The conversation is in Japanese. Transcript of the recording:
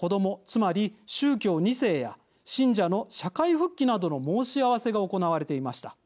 つまり宗教２世や信者の社会復帰などの申し合わせが行われていました。